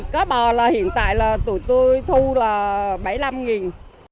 có bò hiện tại là tụi tôi thu là bảy mươi năm nghìn